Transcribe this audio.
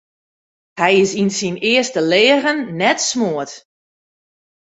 Hy is yn syn earste leagen net smoard.